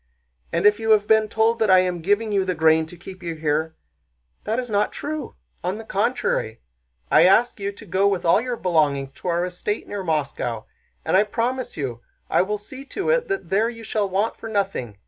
And if you have been told that I am giving you the grain to keep you here—that is not true. On the contrary, I ask you to go with all your belongings to our estate near Moscow, and I promise you I will see to it that there you shall want for nothing.